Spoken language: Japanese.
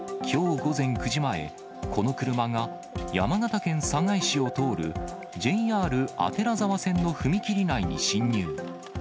きょう午前９時前、この車が山形県寒河江市を通るＪＲ左沢線の踏切内に進入。